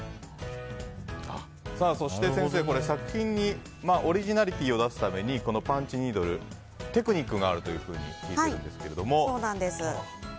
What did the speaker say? そして先生、作品にオリジナリティーを出すためにパンチニードルテクニックがあると聞いているんですが。